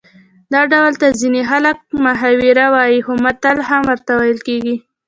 دغه ډول ته ځینې خلک محاوره وايي خو متل هم ورته ویل کېږي